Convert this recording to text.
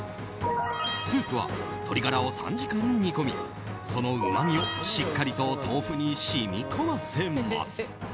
スープは鶏ガラを３時間煮込みそのうまみをしっかりと豆腐に染み込ませます。